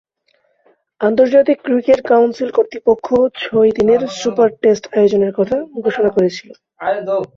আন্তর্জাতিক cricket council কর্তৃপক্ষ ছয়-দিনের সুপার টেস্ট আয়োজনের কথা ঘোষণা করেছিল।